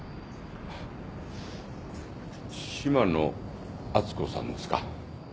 島野篤子さんですか？